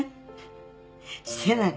してない。